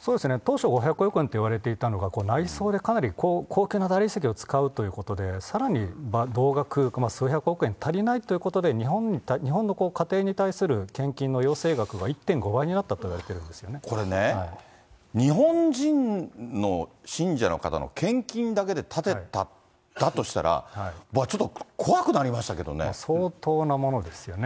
そうですね、当初５００億円といわれていたのが、内装でかなり高級な大理石を使うということで、さらに同額、数百億円足りないということで、日本の家庭に対する献金の要請額が１．５倍になったといわれてるこれね、日本人の信者の方の献金だけで建てたんだとしたら、相当なものですよね。